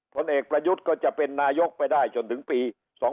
ผลเอกประยุทธ์ก็จะเป็นนายกไปได้จนถึงปี๒๕๖